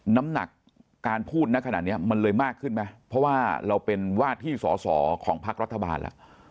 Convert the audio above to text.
น้ำหนักการพูดนะขนาดนี้มันเลยมากขึ้นไหมเพราะว่าเราเป็นวาดที่สอสอของพักรัฐบาลแล้ว